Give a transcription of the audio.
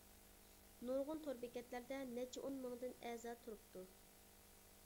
نۇرغۇن تور بېكەتلەردە نەچچە ئون مىڭدىن ئەزا تۇرۇپتۇ.